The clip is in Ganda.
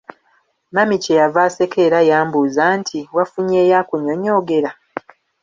Mami kye yava aseka era yambuuza nti, "wafunyeeyo akunyonyoogera?"